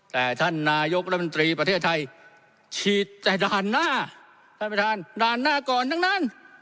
แต่ท่านนายกรัฐมนตรีประเทศไทยฉีดแต่ด่านหน้าท่านประธานด่านหน้าก่อนทั้งนั้น